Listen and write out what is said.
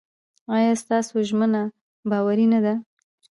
ایا ستاسو ژمنه باوري نه ده؟